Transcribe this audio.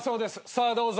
さあどうぞ。